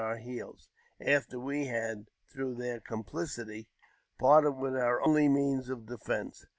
iir heels, after we had, through their complicity, parted with our ily^means of defence.